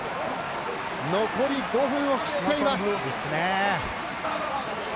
残り５分を切っています。